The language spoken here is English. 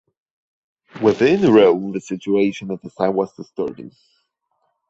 Within Rome the situation at this time was disturbing.